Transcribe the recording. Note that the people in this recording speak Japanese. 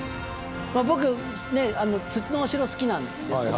僕ね土のお城好きなんですけど。